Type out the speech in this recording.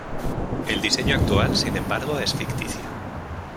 El diseño actual, sin embargo, es ficticio.